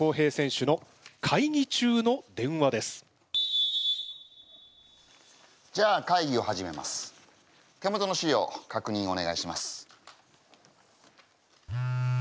手元の資料かくにんをお願いします。